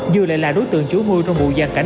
dù lại là đối tượng chủ mưu trong vụ giàn cảnh